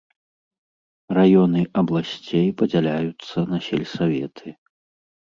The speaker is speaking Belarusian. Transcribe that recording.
Раёны абласцей падзяляюцца на сельсаветы.